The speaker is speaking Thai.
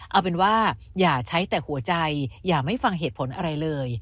เอาเป็นว่าอย่าใช้แต่หัวใจอย่าไม่ฟังเหตุผลอะไรเลย